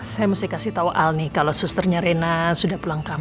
saya mesti kasih tau al nih kalo susternya rena sudah pulang kampung